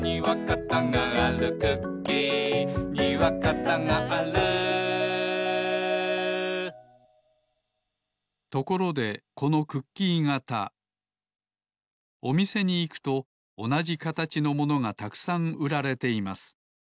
「だれだれだれじん」ところでこのクッキー型おみせにいくとおなじかたちのものがたくさんうられています。